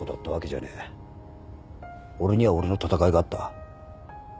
俺には俺の闘いがあった。